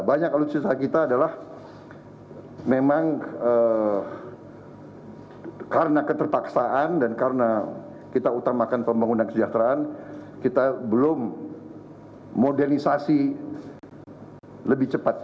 banyak alutsista kita adalah memang karena keterpaksaan dan karena kita utamakan pembangunan kesejahteraan kita belum modernisasi lebih cepat